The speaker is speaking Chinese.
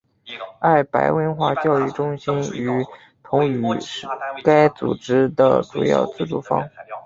爱白文化教育中心与同语是该组织的主要资助方。